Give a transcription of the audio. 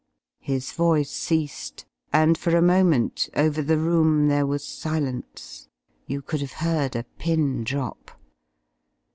His voice ceased, and for a moment over the room there was silence. You could have heard a pin drop.